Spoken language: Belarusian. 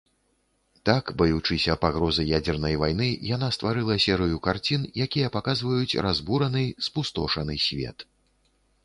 Так, баючыся пагрозы ядзернай вайны, яна стварыла серыю карцін, якія паказваюць разбураны, спустошаны свет.